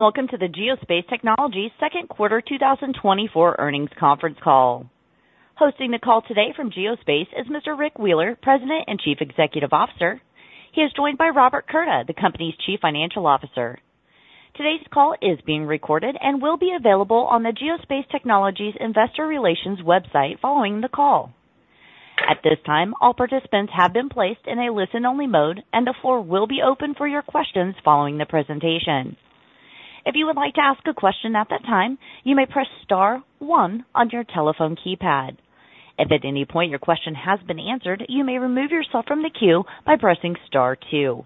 Welcome to the Geospace Technologies second quarter 2024 earnings conference call. Hosting the call today from Geospace is Mr. Rick Wheeler, President and Chief Executive Officer. He is joined by Robert Curda, the company's Chief Financial Officer. Today's call is being recorded and will be available on the Geospace Technologies Investor Relations website following the call. At this time, all participants have been placed in a listen-only mode, and the floor will be open for your questions following the presentation. If you would like to ask a question at that time, you may press star one on your telephone keypad. If at any point your question has been answered, you may remove yourself from the queue by pressing star two.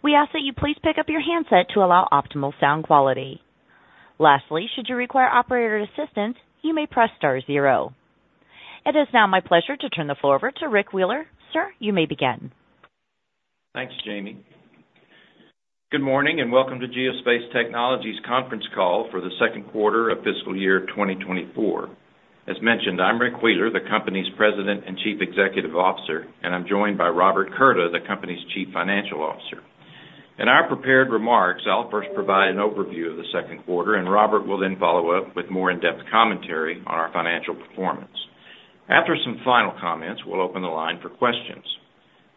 We ask that you please pick up your handset to allow optimal sound quality. Lastly, should you require operator assistance, you may press star zero. It is now my pleasure to turn the floor over to Rick Wheeler. Sir, you may begin. Thanks, Jamie. Good morning and welcome to Geospace Technologies conference call for the second quarter of fiscal year 2024. As mentioned, I'm Rick Wheeler, the company's President and Chief Executive Officer, and I'm joined by Robert Curda, the company's Chief Financial Officer. In our prepared remarks, I'll first provide an overview of the second quarter, and Robert will then follow up with more in-depth commentary on our financial performance. After some final comments, we'll open the line for questions.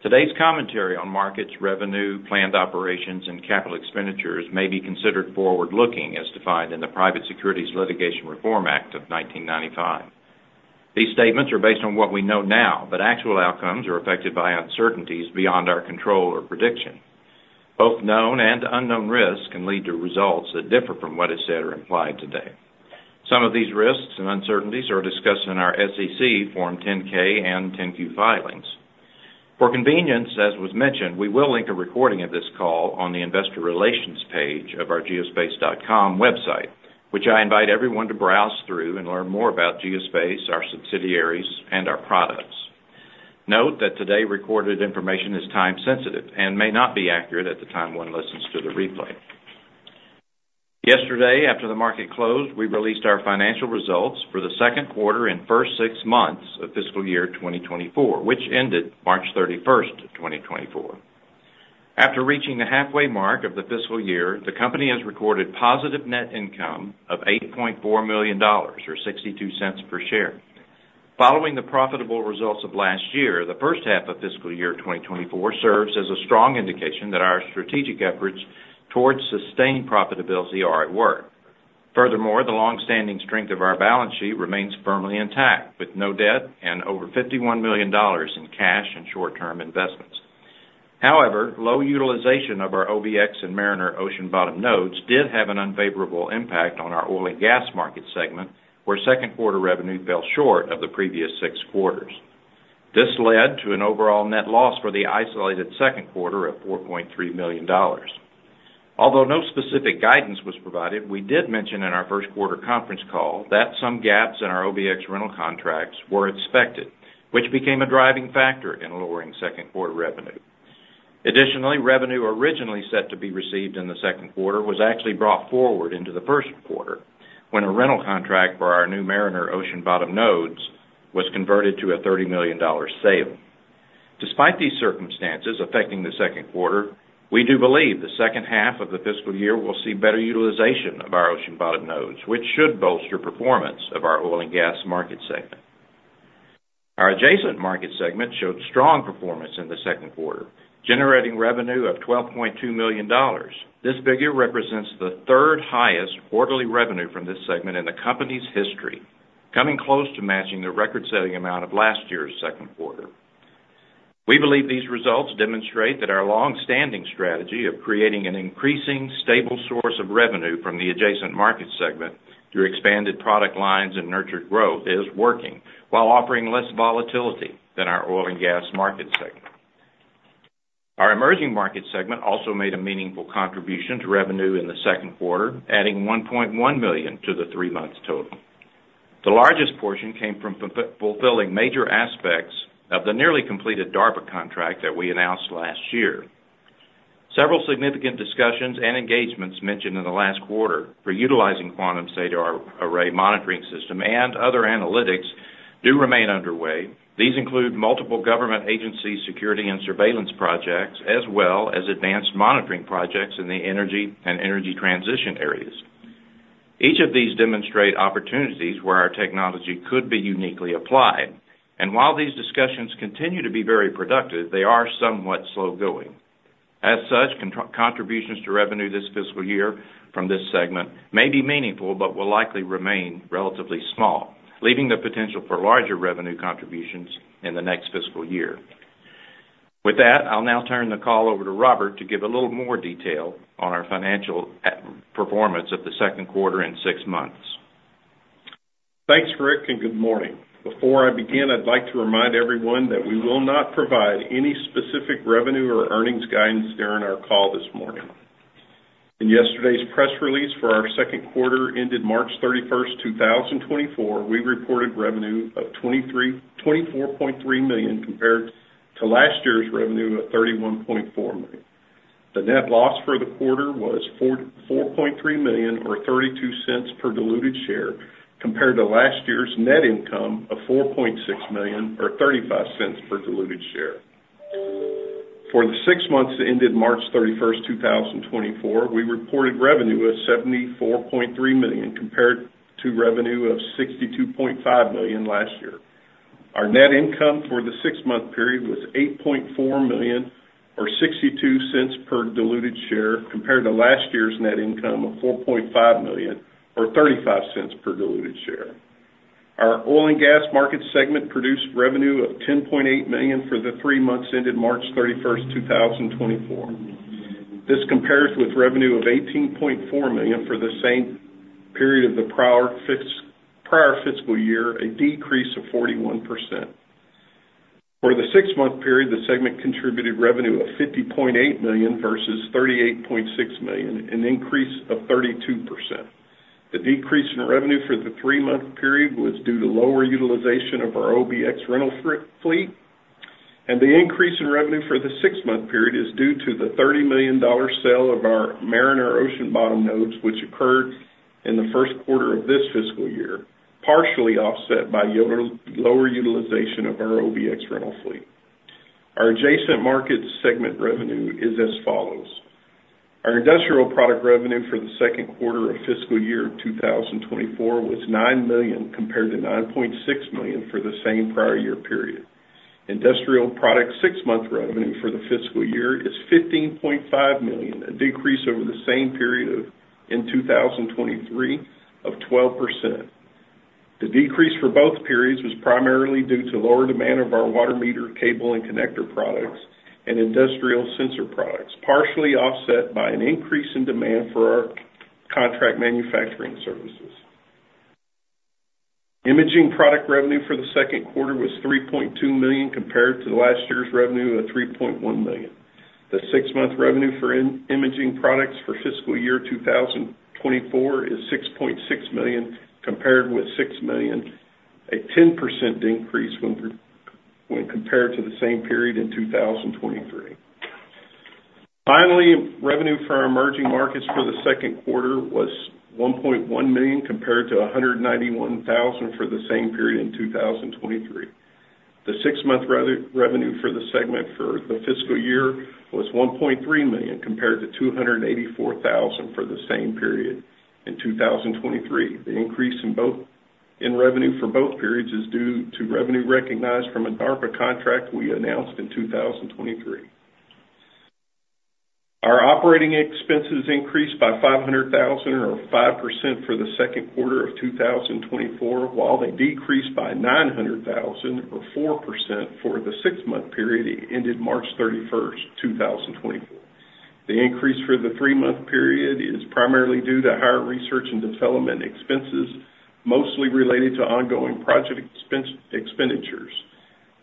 Today's commentary on markets, revenue, planned operations, and capital expenditures may be considered forward-looking, as defined in the Private Securities Litigation Reform Act of 1995. These statements are based on what we know now, but actual outcomes are affected by uncertainties beyond our control or prediction. Both known and unknown risks can lead to results that differ from what is said or implied today. Some of these risks and uncertainties are discussed in our SEC Form 10-K and 10-Q filings. For convenience, as was mentioned, we will link a recording of this call on the Investor Relations page of our geospace.com website, which I invite everyone to browse through and learn more about Geospace, our subsidiaries, and our products. Note that today recorded information is time-sensitive and may not be accurate at the time one listens to the replay. Yesterday, after the market closed, we released our financial results for the second quarter and first six months of fiscal year 2024, which ended March 31st, 2024. After reaching the halfway mark of the fiscal year, the company has recorded positive net income of $8.4 million or $0.62 per share. Following the profitable results of last year, the first half of fiscal year 2024 serves as a strong indication that our strategic efforts towards sustained profitability are at work. Furthermore, the longstanding strength of our balance sheet remains firmly intact, with no debt and over $51 million in cash and short-term investments. However, low utilization of our OBX and Mariner ocean bottom nodes did have an unfavorable impact on our oil and gas market segment, where second quarter revenue fell short of the previous six quarters. This led to an overall net loss for the isolated second quarter of $4.3 million. Although no specific guidance was provided, we did mention in our first quarter conference call that some gaps in our OBX rental contracts were expected, which became a driving factor in lowering second quarter revenue. Additionally, revenue originally set to be received in the second quarter was actually brought forward into the first quarter when a rental contract for our new Mariner ocean bottom nodes was converted to a $30 million sale. Despite these circumstances affecting the second quarter, we do believe the second half of the fiscal year will see better utilization of our ocean bottom nodes, which should bolster performance of our oil and gas market segment. Our adjacent market segment showed strong performance in the second quarter, generating revenue of $12.2 million. This figure represents the third-highest quarterly revenue from this segment in the company's history, coming close to matching the record-setting amount of last year's second quarter. We believe these results demonstrate that our longstanding strategy of creating an increasing, stable source of revenue from the adjacent market segment through expanded product lines and nurtured growth is working while offering less volatility than our oil and gas market segment. Our emerging market segment also made a meaningful contribution to revenue in the second quarter, adding $1.1 million to the three-month total. The largest portion came from fulfilling major aspects of the nearly completed DARPA contract that we announced last year. Several significant discussions and engagements mentioned in the last quarter for utilizing Quantum SADAR array monitoring system and other analytics do remain underway. These include multiple government agencies' security and surveillance projects, as well as advanced monitoring projects in the energy and energy transition areas. Each of these demonstrate opportunities where our technology could be uniquely applied. While these discussions continue to be very productive, they are somewhat slow-going. As such, contributions to revenue this fiscal year from this segment may be meaningful but will likely remain relatively small, leaving the potential for larger revenue contributions in the next fiscal year. With that, I'll now turn the call over to Robert to give a little more detail on our financial performance of the second quarter and six months. Thanks, Rick, and good morning. Before I begin, I'd like to remind everyone that we will not provide any specific revenue or earnings guidance during our call this morning. In yesterday's press release for our second quarter ended March 31st, 2024, we reported revenue of $24.3 million compared to last year's revenue of $31.4 million. The net loss for the quarter was $4.3 million or $0.32 per diluted share compared to last year's net income of $4.6 million or $0.35 per diluted share. For the six months ended March 31st, 2024, we reported revenue of $74.3 million compared to revenue of $62.5 million last year. Our net income for the six-month period was $8.4 million or $0.62 per diluted share compared to last year's net income of $4.5 million or $0.35 per diluted share. Our oil and gas market segment produced revenue of $10.8 million for the three months ended March 31st, 2024. This compares with revenue of $18.4 million for the same period of the prior fiscal year, a decrease of 41%. For the six-month period, the segment contributed revenue of $50.8 million versus $38.6 million, an increase of 32%. The decrease in revenue for the three-month period was due to lower utilization of our OBX rental fleet, and the increase in revenue for the six-month period is due to the $30 million sale of our Mariner ocean bottom nodes, which occurred in the first quarter of this fiscal year, partially offset by lower utilization of our OBX rental fleet. Our adjacent market segment revenue is as follows. Our industrial product revenue for the second quarter of fiscal year 2024 was $9 million compared to $9.6 million for the same prior year period. Industrial products six-month revenue for the fiscal year is $15.5 million, a decrease over the same period in 2023 of 12%. The decrease for both periods was primarily due to lower demand of our water meter, cable, and connector products, and industrial sensor products, partially offset by an increase in demand for our contract manufacturing services. Imaging products revenue for the second quarter was $3.2 million compared to last year's revenue of $3.1 million. The six-month revenue for imaging products for fiscal year 2024 is $6.6 million compared with $6 million, a 10% decrease when compared to the same period in 2023. Finally, revenue for our emerging markets for the second quarter was $1.1 million compared to $191,000 for the same period in 2023. The six-month revenue for the segment for the fiscal year was $1.3 million compared to $284,000 for the same period in 2023. The increase in revenue for both periods is due to revenue recognized from a DARPA contract we announced in 2023. Our operating expenses increased by $500,000 or 5% for the second quarter of 2024, while they decreased by $900,000 or 4% for the six-month period ended March 31st, 2024. The increase for the three-month period is primarily due to higher research and development expenses, mostly related to ongoing project expenditures.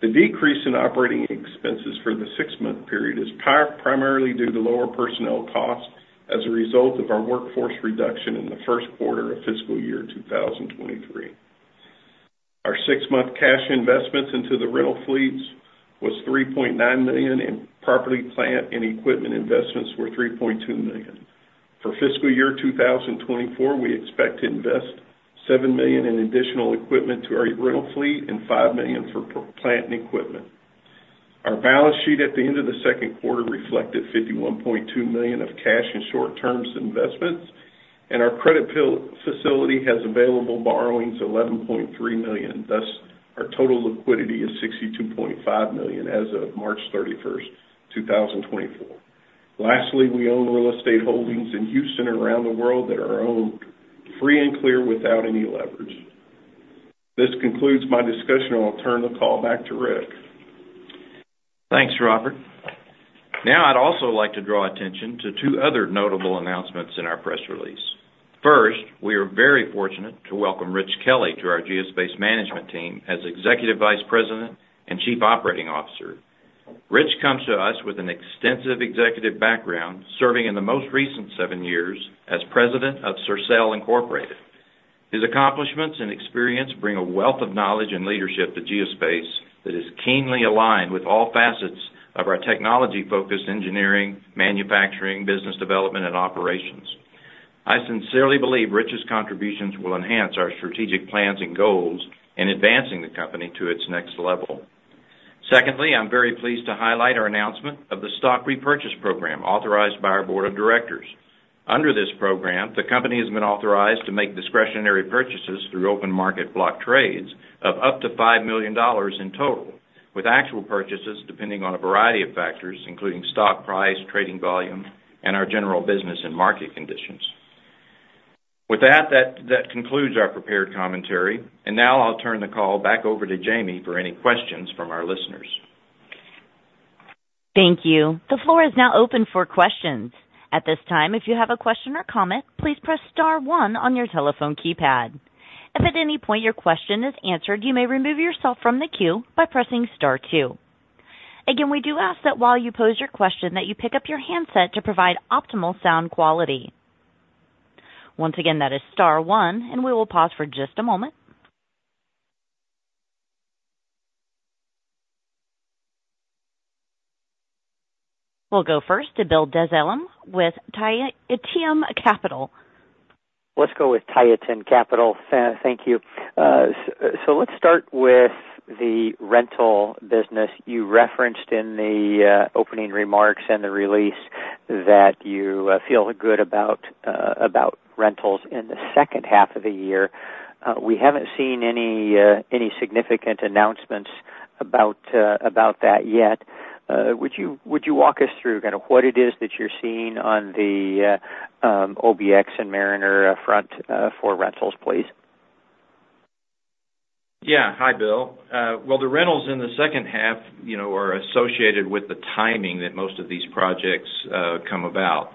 The decrease in operating expenses for the six-month period is primarily due to lower personnel costs as a result of our workforce reduction in the first quarter of fiscal year 2023. Our six-month cash investments into the rental fleets was $3.9 million, and property, plant, and equipment investments were $3.2 million. For fiscal year 2024, we expect to invest $7 million in additional equipment to our rental fleet and $5 million for plant and equipment. Our balance sheet at the end of the second quarter reflected $51.2 million of cash and short-term investments, and our credit facility has available borrowings $11.3 million. Thus, our total liquidity is $62.5 million as of March 31st, 2024. Lastly, we own real estate holdings in Houston and around the world that are owned free and clear without any leverage. This concludes my discussion. I'll turn the call back to Rick. Thanks, Robert. Now, I'd also like to draw attention to two other notable announcements in our press release. First, we are very fortunate to welcome Rich Kelley to our Geospace Management Team as Executive Vice President and Chief Operating Officer. Rich comes to us with an extensive executive background, serving in the most recent seven years as President of Sercel, Incorporated. His accomplishments and experience bring a wealth of knowledge and leadership to Geospace that is keenly aligned with all facets of our technology-focused engineering, manufacturing, business development, and operations. I sincerely believe Rich's contributions will enhance our strategic plans and goals in advancing the company to its next level. Secondly, I'm very pleased to highlight our announcement of the Stock Repurchase Program authorized by our Board of Directors. Under this program, the company has been authorized to make discretionary purchases through open market block trades of up to $5 million in total, with actual purchases depending on a variety of factors, including stock price, trading volume, and our general business and market conditions. With that, that concludes our prepared commentary. Now I'll turn the call back over to Jamie for any questions from our listeners. Thank you. The floor is now open for questions. At this time, if you have a question or comment, please press star one on your telephone keypad. If at any point your question is answered, you may remove yourself from the queue by pressing star two. Again, we do ask that while you pose your question, that you pick up your handset to provide optimal sound quality. Once again, that is star one, and we will pause for just a moment. We'll go first to Bill Dezellem with Tieton Capital. Let's go with Tieton Capital. Thank you. Let's start with the rental business you referenced in the opening remarks and the release that you feel good about rentals in the second half of the year. We haven't seen any significant announcements about that yet. Would you walk us through kind of what it is that you're seeing on the OBX and Mariner front for rentals, please? Yeah. Hi, Bill. Well, the rentals in the second half are associated with the timing that most of these projects come about.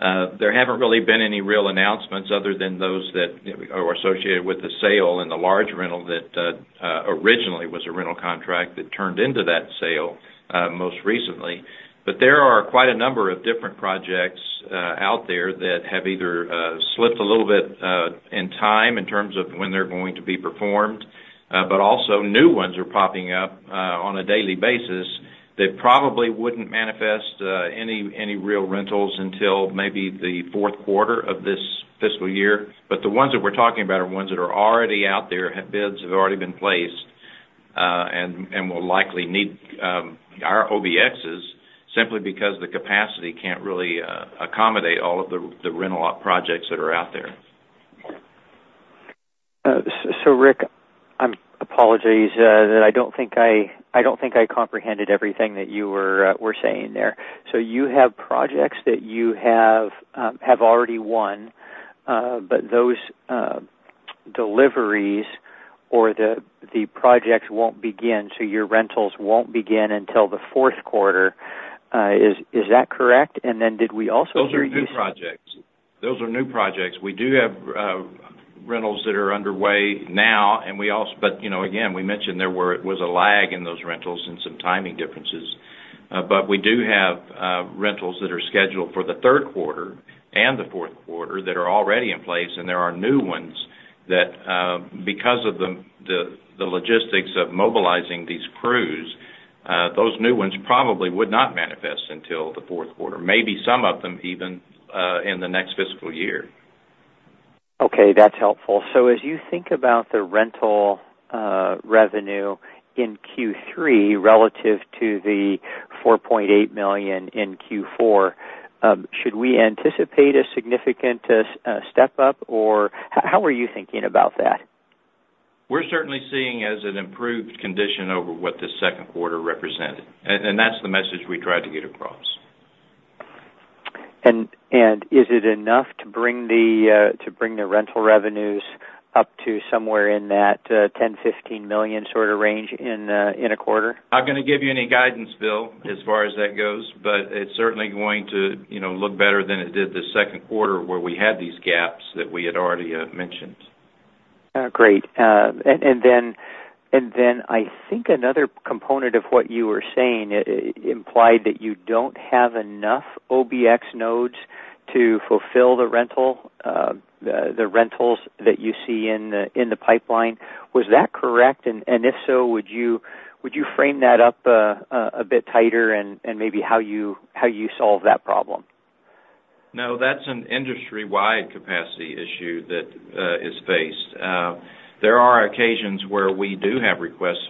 There haven't really been any real announcements other than those that are associated with the sale in the large rental that originally was a rental contract that turned into that sale most recently. But there are quite a number of different projects out there that have either slipped a little bit in time in terms of when they're going to be performed, but also new ones are popping up on a daily basis that probably wouldn't manifest any real rentals until maybe the fourth quarter of this fiscal year. But the ones that we're talking about are ones that are already out there. Bids have already been placed and will likely need our OBXs simply because the capacity can't really accommodate all of the rental OBN projects that are out there. So, Rick, I apologize that I don't think I comprehended everything that you were saying there. So you have projects that you have already won, but those deliveries or the projects won't begin, so your rentals won't begin until the fourth quarter. Is that correct? And then did we also hear you say? Those are new projects. Those are new projects. We do have rentals that are underway now, but again, we mentioned there was a lag in those rentals and some timing differences. But we do have rentals that are scheduled for the third quarter and the fourth quarter that are already in place, and there are new ones that, because of the logistics of mobilizing these crews, those new ones probably would not manifest until the fourth quarter, maybe some of them even in the next fiscal year. Okay. That's helpful. So as you think about the rental revenue in Q3 relative to the $4.8 million in Q4, should we anticipate a significant step up, or how are you thinking about that? We're certainly seeing it as an improved condition over what the second quarter represented, and that's the message we tried to get across. Is it enough to bring the rental revenues up to somewhere in that $10 million-$15 million sort of range in a quarter? Not going to give you any guidance, Bill, as far as that goes, but it's certainly going to look better than it did the second quarter where we had these gaps that we had already mentioned. Great. And then I think another component of what you were saying implied that you don't have enough OBX nodes to fulfill the rentals that you see in the pipeline. Was that correct? And if so, would you frame that up a bit tighter and maybe how you solve that problem? No, that's an industry-wide capacity issue that is faced. There are occasions where we do have requests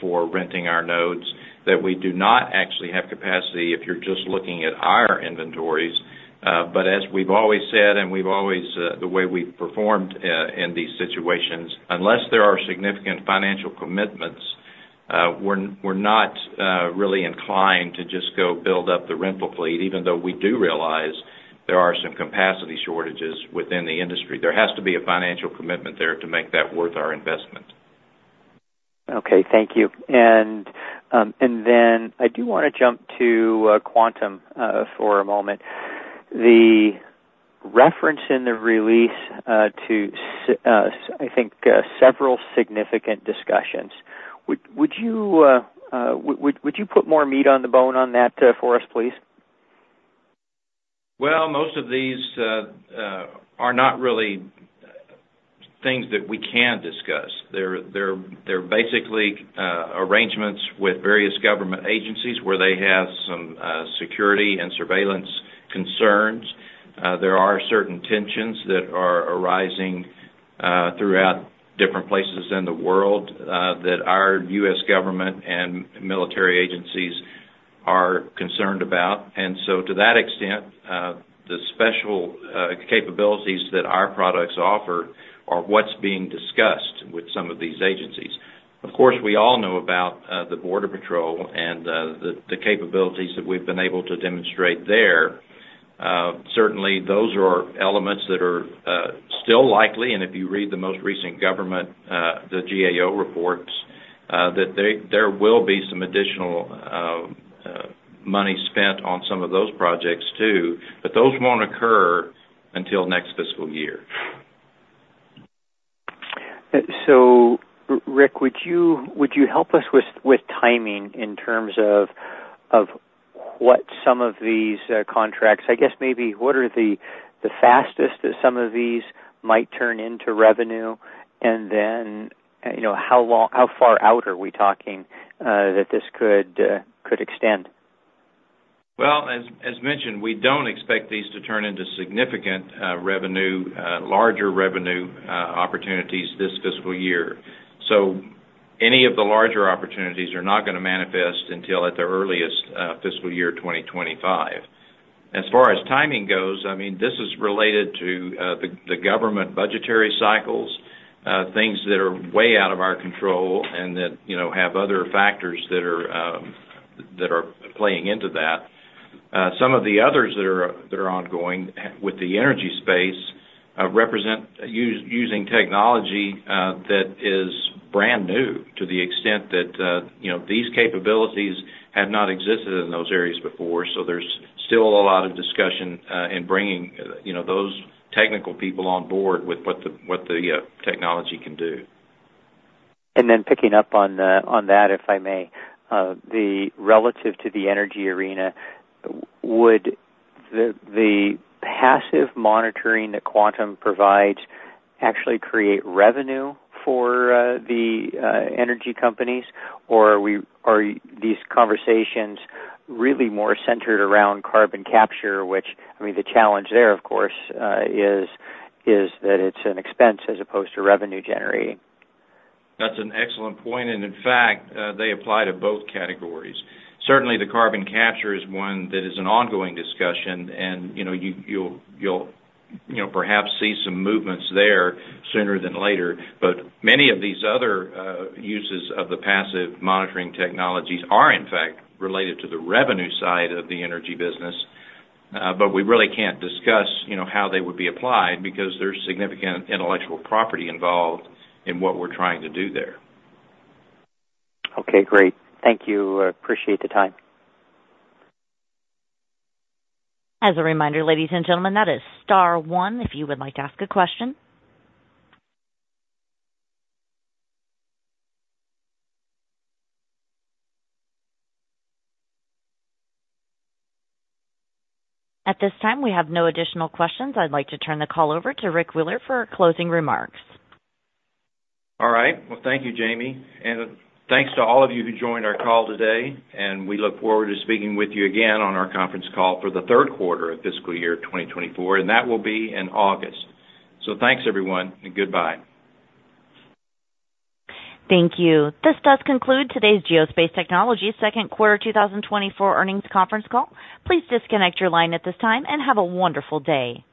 for renting our nodes that we do not actually have capacity if you're just looking at our inventories. But as we've always said and the way we've performed in these situations, unless there are significant financial commitments, we're not really inclined to just go build up the rental fleet, even though we do realize there are some capacity shortages within the industry. There has to be a financial commitment there to make that worth our investment. Okay. Thank you. And then I do want to jump to Quantum for a moment. The reference in the release to, I think, several significant discussions. Would you put more meat on the bone on that for us, please? Well, most of these are not really things that we can discuss. They're basically arrangements with various government agencies where they have some security and surveillance concerns. There are certain tensions that are arising throughout different places in the world that our U.S. government and military agencies are concerned about. And so to that extent, the special capabilities that our products offer are what's being discussed with some of these agencies. Of course, we all know about the U.S. Border Patrol and the capabilities that we've been able to demonstrate there. Certainly, those are elements that are still likely. And if you read the most recent government, the GAO reports, that there will be some additional money spent on some of those projects too, but those won't occur until next fiscal year. So, Rick, would you help us with timing in terms of what some of these contracts I guess maybe what are the fastest that some of these might turn into revenue, and then how far out are we talking that this could extend? Well, as mentioned, we don't expect these to turn into significant larger revenue opportunities this fiscal year. Any of the larger opportunities are not going to manifest until at their earliest fiscal year, 2025. As far as timing goes, I mean, this is related to the government budgetary cycles, things that are way out of our control and that have other factors that are playing into that. Some of the others that are ongoing with the energy space represent using technology that is brand new to the extent that these capabilities have not existed in those areas before. So there's still a lot of discussion in bringing those technical people on board with what the technology can do. And then picking up on that, if I may, relative to the energy arena, would the passive monitoring that Quantum provides actually create revenue for the energy companies, or are these conversations really more centered around carbon capture, which I mean, the challenge there, of course, is that it's an expense as opposed to revenue-generating? That's an excellent point. And in fact, they apply to both categories. Certainly, the carbon capture is one that is an ongoing discussion, and you'll perhaps see some movements there sooner than later. But many of these other uses of the passive monitoring technologies are, in fact, related to the revenue side of the energy business. But we really can't discuss how they would be applied because there's significant intellectual property involved in what we're trying to do there. Okay. Great. Thank you. Appreciate the time. As a reminder, ladies and gentlemen, that is star one if you would like to ask a question. At this time, we have no additional questions. I'd like to turn the call over to Rick Wheeler for closing remarks. All right. Well, thank you, Jamie. Thanks to all of you who joined our call today. We look forward to speaking with you again on our conference call for the third quarter of fiscal year, 2024, and that will be in August. Thanks, everyone, and goodbye. Thank you. This does conclude today's Geospace Technologies second quarter, 2024, earnings conference call. Please disconnect your line at this time and have a wonderful day.